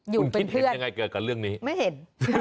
คุณคิดเห็นยังไงเกี่ยวกับเรื่องนี้ไม่เห็น